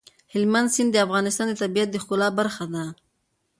هلمند سیند د افغانستان د طبیعت د ښکلا برخه ده.